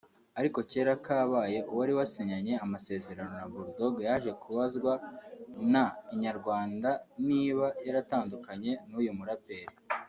Ariko cyera kabaye uwari wasinyanye amasezerano na Bull Dogg yaje kubazwa na Inyarwanda niba yaratandukanye n’uyu muraperi